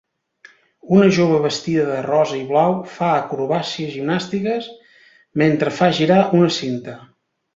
Una jove vestida de rosa i blau fa acrobàcies gimnàstiques mentre fa girar una cinta.